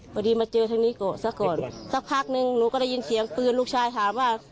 พอดีมาเจอทางนี้ก่อนซะก่อนสักพักนึงหนูก็ได้ยินเสียงปืนลูกชายถามว่า